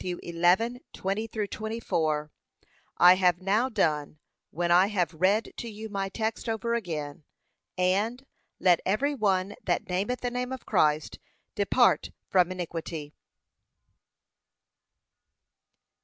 11:20 24) I have now done when I have read to you my text over again 'And, let every one that nameth the name of Christ depart from iniquity.'